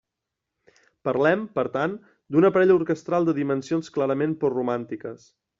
Parlem, per tant, d'un aparell orquestral de dimensions clarament postromàntiques.